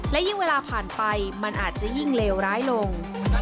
และยิ่งเวลาผ่านไปมันอาจจะยิ่งเลวร้ายลง